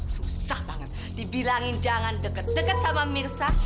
susah banget dibilangin jangan deket deket sama mirsa